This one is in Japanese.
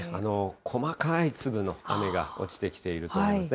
細かい粒の雨が落ちてきているところですね。